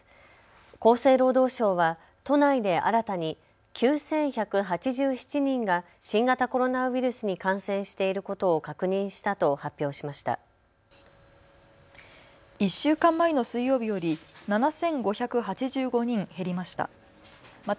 厚生労働省は都内で新たに９１８７人が新型コロナウイルスに感染していることを確認したと発表しました。